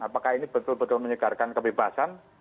apakah ini betul betul menyegarkan kebebasan